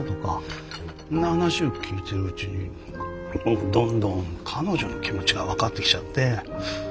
そんな話を聞いてるうちに僕どんどん彼女の気持ちが分かってきちゃって。